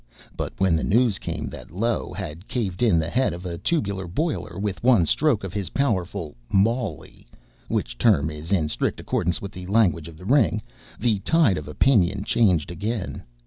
But when the news came that Low had caved in the head of a tubular boiler with one stroke of his powerful "mawley" (which term is in strict accordance with the language of the ring) the tide of opinion changed again.